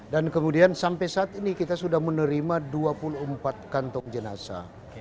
dan kemudian sampai saat ini kita sudah menerima dua puluh empat kantong jenasa